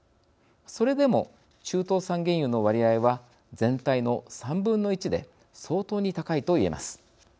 それでも中東産原油の割合は全体の３分の１で相当に高いと言えます。